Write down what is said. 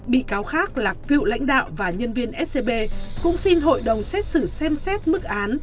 bị cáo khác là cựu lãnh đạo và nhân viên scb cũng xin hội đồng xét xử xem xét mức án